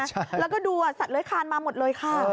แล้วก็ดูสัตว์เลื้อยคานมาหมดเลยค่ะ